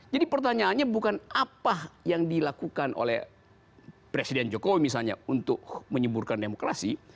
jadi pertanyaannya bukan apa yang dilakukan oleh presiden jokowi misalnya untuk menyemburkan demokrasi